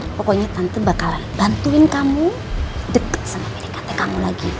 pokoknya tante bakal bantuin kamu deket sama ini kakek kamu lagi